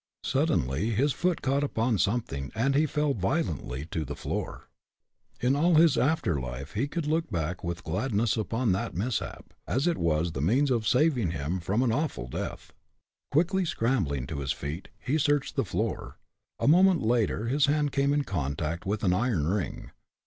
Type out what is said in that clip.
Suddenly his foot caught upon something, and he fell violently to the floor. In all his after life he could look back with gladness upon that mishap, as it was the means of saving him from an awful death. Quickly scrambling to his feet, he searched the floor; a moment later his hand came in contact with an iron ring.